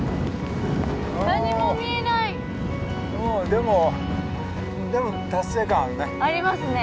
でもでも達成感はあるね。